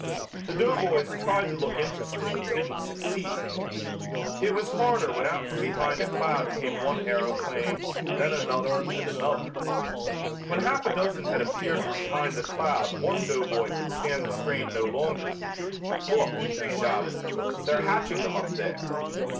The doughboys tried to look interested and didn't succeed. It was harder when out from behind a cloud came one aeroplane, then another and another. When half a dozen had appeared from behind the cloud one doughboy could stand the strain no longer. "Look," he shouted, "they're hatching them up there."